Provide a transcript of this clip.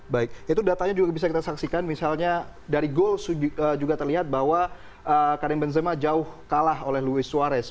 baik itu datanya juga bisa kita saksikan misalnya dari gol juga terlihat bahwa karim benzema jauh kalah oleh louis suarez